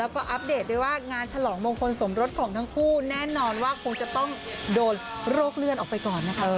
แล้วก็อัปเดตด้วยว่างานฉลองมงคลสมรสของทั้งคู่แน่นอนว่าคงจะต้องโดนโรคเลื่อนออกไปก่อนนะคะ